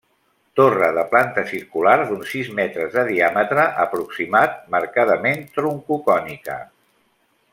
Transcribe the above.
Torre de planta circular d'uns sis metres de diàmetre aproximat marcadament troncocònica.